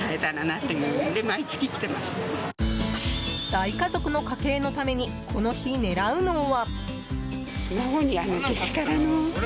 大家族の家計のためにこの日狙うのは。